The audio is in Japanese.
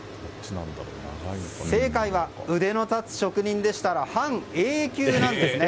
正解は、腕の立つ職人でしたら半永久なんですね。